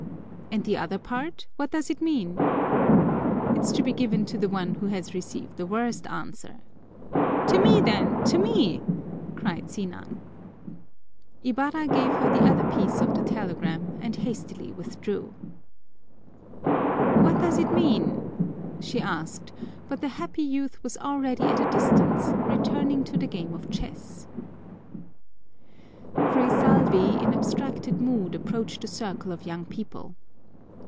"And the other part, what does it mean?" "It's to be given to the one who has received the worst answer." "To me, then, to me!" cried Sinang. Ibarra gave her the other piece of the telegram and hastily withdrew. "What does it mean?" she asked, but the happy youth was already at a distance, returning to the game of chess. Fray Salvi in abstracted mood approached the circle of young people.